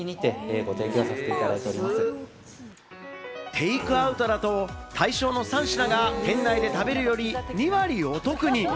テイクアウトだと対象の３品が店内で食べるより２割お得に！